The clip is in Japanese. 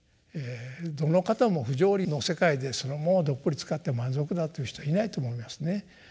どの方も不条理の世界でもうどっぷり浸かって満足だという人はいないと思いますね。